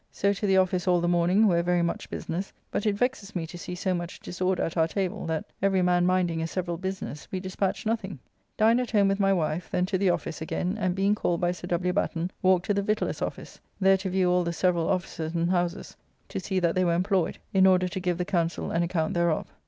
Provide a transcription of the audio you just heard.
So to the office all the morning, where very much business, but it vexes me to see so much disorder at our table, that, every man minding a several business, we dispatch nothing. Dined at home with my wife, then to the office again, and being called by Sir W. Batten, walked to the Victualler's office, there to view all the several offices and houses to see that they were employed in order to give the Council an account thereof.